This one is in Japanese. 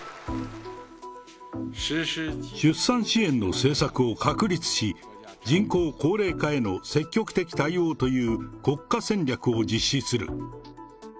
出産支援の政策を確立し、人口高齢化への積極的対応という国家戦略を実施する。